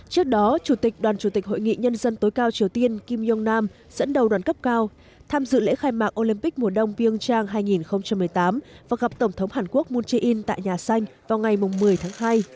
trước đó chủ tịch đoàn chủ tịch hội nghị nhân dân tối cao triều tiên kim jong nang dẫn đầu đoàn cấp cao tham dự lễ khai mạc olympic mùa đông ping trang hai nghìn một mươi tám và gặp tổng thống hàn quốc moon jae in tại nhà xanh vào ngày một mươi tháng hai